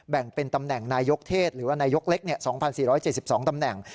แบ่งเป็นตำแหน่งนายกเทศหรือว่านายกเล็ก๒๔๗๒ตำแหน่ง